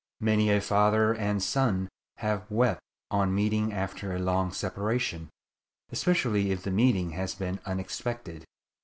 Many a father and son have wept on meeting after a long separation, especially if the meeting has been unexpected.